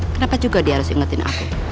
kenapa juga dia harus ingetin aku